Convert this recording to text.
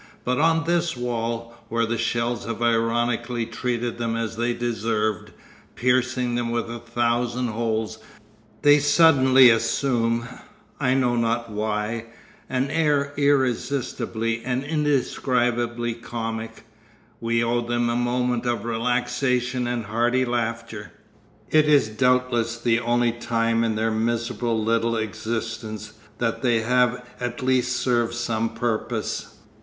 But on this wall, where the shells have ironically treated them as they deserved, piercing them with a thousand holes, they suddenly assume, I know not why, an air irresistibly and indescribably comic; we owe them a moment of relaxation and hearty laughter it is doubtless the only time in their miserable little existence that they have at least served some purpose.